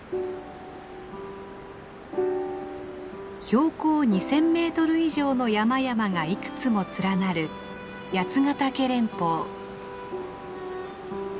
標高２，０００メートル以上の山々がいくつも連なる八ヶ岳連峰。